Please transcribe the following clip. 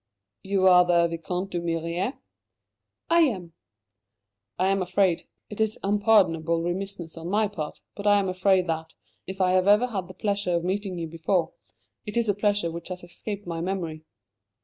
"You are the Vicomte d'Humières?" "I am." "I am afraid it is unpardonable remissness on my part; but I am afraid that, if I have ever had the pleasure of meeting you before, it is a pleasure which has escaped my memory."